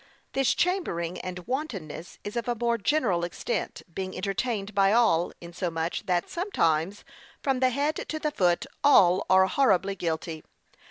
This chambering and wantonness is of a more general extent, being entertained by all, insomuch, that sometimes from the head to the foot all are horribly guilty.